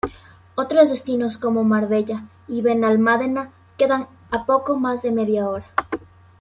Otros destinos como Marbella y Benalmádena quedan a poco más de media hora.